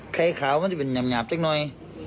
ไข่ขาวมันจะเป็นหงาบนิ้วน้อย